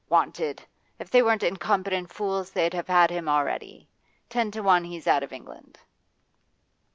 Wanted! If they weren't incompetent fools they'd have had him already. Ten to one he's out of England.